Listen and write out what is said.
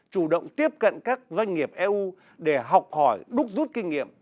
chủ động tiếp cận các doanh nghiệp eu để học hỏi đúc rút kinh nghiệm